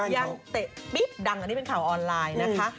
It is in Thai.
ยังเตะปิ๊บดังอันนี้เป็นข่าวออนไลน์นะคะ